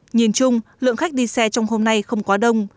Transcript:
nhìn chung lượng khách đi xe trong hôm nay không quá đông